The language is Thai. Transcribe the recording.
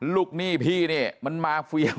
ลูกหนี้พี่นี่มันมาเฟียง